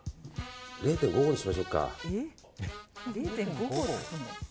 ０．５合にしましょうか。